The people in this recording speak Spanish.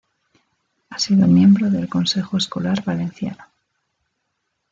Ha sido miembro del Consejo Escolar Valenciano.